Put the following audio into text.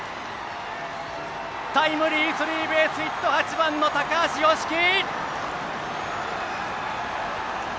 タイムリースリーベースヒット８番の高橋祐稀！